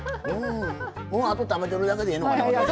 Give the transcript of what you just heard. もうあと食べてるだけでええのかな？